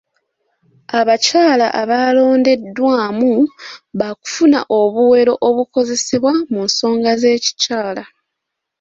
Abakyala abalondeddwamu b'akufuna obuwero obukozesebwa mu nsonga z'ekikyakala.